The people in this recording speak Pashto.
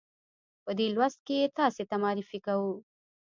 په دې لوست کې یې تاسې ته معرفي کوو.